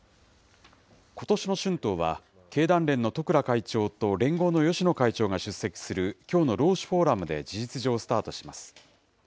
ことしの春闘は、経団連の十倉会長と連合の芳野会長が出席するきょうの労使フォーラムで事実上スタートします。